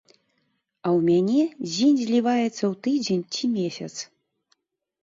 А ў мяне дзень зліваецца ў тыдзень ці месяц.